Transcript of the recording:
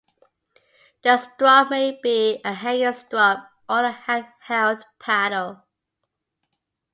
The strop may be a hanging strop or a hand-held paddle.